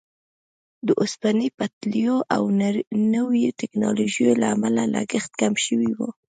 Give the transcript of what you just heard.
د اوسپنې پټلیو او نویو ټیکنالوژیو له امله لګښت کم شوی وو.